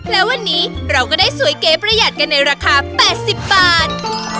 และวันนี้เราก็ได้สวยเก๋ประหยัดกันในราคา๘๐บาท